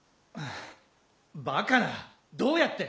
バカなどうやって。